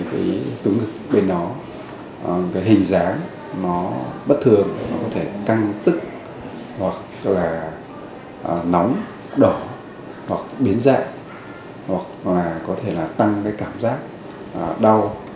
cái tú ngực bên nó cái hình dáng nó bất thường nó có thể tăng tức hoặc là nóng đỏ hoặc biến dạng hoặc là có thể là tăng cái cảm giác đau